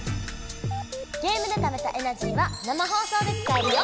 ゲームでためたエナジーは生放送で使えるよ！